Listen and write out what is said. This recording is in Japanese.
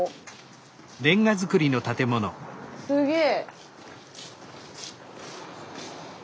すげえ。